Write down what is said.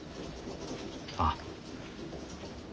ああ。